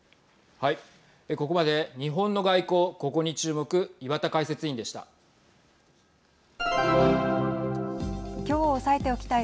ここまで日本の外交、ここに注目岩田解説委員でした。